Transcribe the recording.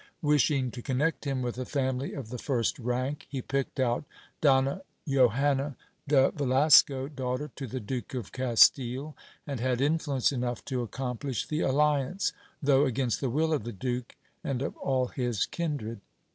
Wish ing to connect him with a family of the first rank, he picked out Donna Johanna de Velasco, daughter to the Duke of Castile, and had influence enough to accomplish the alliance, though against the will of the duke and of all his kindred.